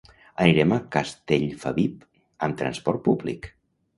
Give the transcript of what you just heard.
Anirem a Castellfabib amb transport públic.